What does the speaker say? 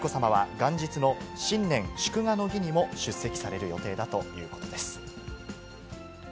元日の新年祝賀の儀にも出席される予定だということです。